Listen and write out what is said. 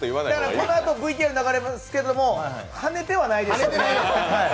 このあとＶＴＲ流れますけどはねてはいないです